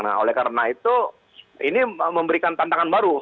nah oleh karena itu ini memberikan tantangan baru